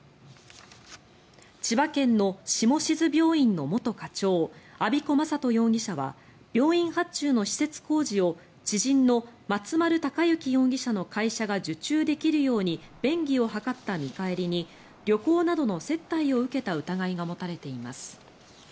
千葉県の下志津病院の元課長安彦昌人容疑者は病院発注の施設工事を知人の松丸隆行容疑者の会社が受注できるように便宜を図った見返りに旅行などの接待を受けた疑いが持たれています。